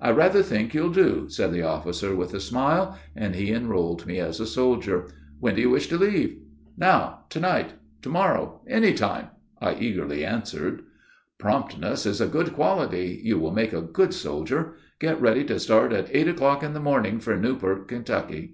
'I rather think you'll do,' said the officer with a smile, and he enrolled me as a soldier. 'When do you wish to leave?' 'Now to night to morrow any time,' I eagerly answered. 'Promptness is a good quality, you will make a good soldier. Get ready to start at eight o'clock in the morning, for Newport, Ky.'